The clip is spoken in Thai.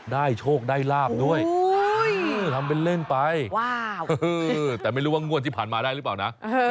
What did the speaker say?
โชคได้ลาบด้วยทำเป็นเล่นไปว้าวแต่ไม่รู้ว่างวดที่ผ่านมาได้หรือเปล่านะ